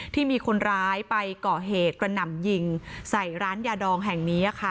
ที่มีคนร้ายไปก่อเหตุกระหน่ำยิงใส่ร้านยาดองแห่งนี้ค่ะ